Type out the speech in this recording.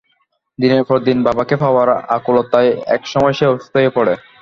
দিনের পর দিন বাবাকে পাওয়ার আকুলতায় একসময় সে অসুস্থ হয়ে পড়ে।